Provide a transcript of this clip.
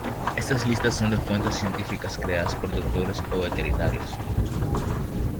Estas listas son de fuentes científicas creadas por doctores, o veterinarios.